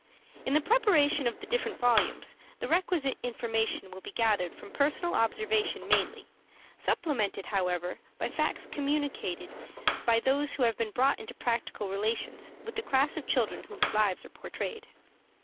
In the preparation of the different volumes, the requisite information will be gathered from personal observation mainly, supplemented, however, by facts communicated by those who have been brought into practical relations with the class of children whose lives are portrayed.